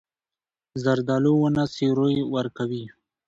زردالو ونه سیوری ورکوي.